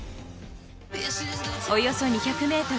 およそ２００ｍ。